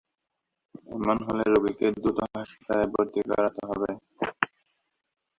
এমন হলে রোগীকে দ্রুত হাসপাতালে ভর্তি করাতে হবে।